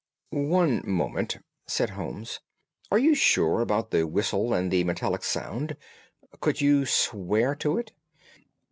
"One moment," said Holmes, "are you sure about this whistle and metallic sound? Could you swear to it?"